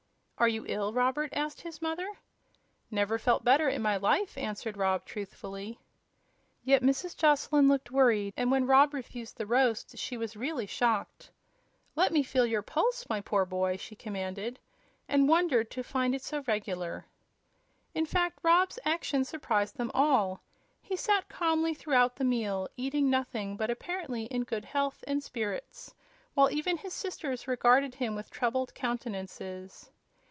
"Are you ill, Robert?" asked his mother. "Never felt better in my life," answered Rob, truthfully. Yet Mrs. Joslyn looked worried, and when Rob refused the roast, she was really shocked. "Let me feel your pulse, my poor boy!" she commanded, and wondered to find it so regular. In fact, Rob's action surprised them all. He sat calmly throughout the meal, eating nothing, but apparently in good health and spirits, while even his sisters regarded him with troubled countenances.